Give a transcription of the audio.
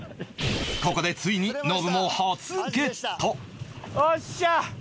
ここでついにノブも初ゲットよっしゃ！